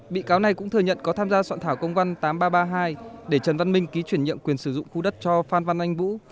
bị cáo này cũng thừa nhận có tham gia soạn thảo công văn tám nghìn ba trăm ba mươi hai để trần văn minh ký chuyển nhượng quyền sử dụng khu đất cho phan văn anh vũ